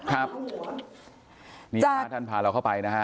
ครับนี่ฮะท่านพาเราเข้าไปนะฮะ